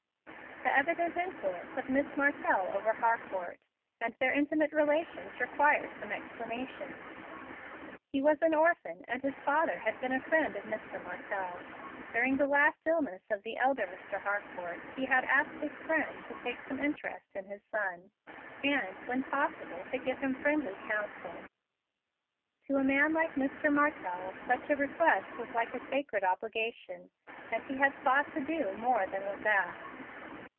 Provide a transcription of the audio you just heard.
The evident influence of Miss Martell over Harcourt, and their intimate relations require some explanation. He was an orphan, and his father had been a friend of Mr. Martell. During the last illness of the elder Mr. Harcourt, he had asked his friend to take some interest in his son, and, when possible, to give him friendly counsel. To a man like Mr. Martell such a request was like a sacred obligation; and he had sought to do more than was asked.